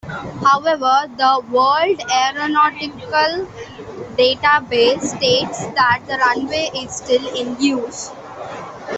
However, the World Aeronautical database states that the runway is still in use.